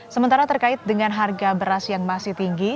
sementara terkait dengan harga beras yang masih tinggi